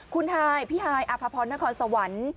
คุณฮายพี่ฮายอภพรนครสวรรค์